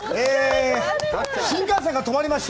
新幹線が止まりまして。